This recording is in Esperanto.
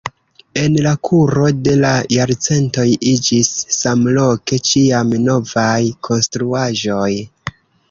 En la kuro de la jarcentoj iĝis samloke ĉiam novaj konstruaĵoj.